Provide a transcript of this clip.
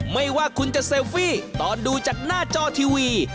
ไม่ว่าคุณจะเซลฟี่ตอนดูจากหน้าจอทีวี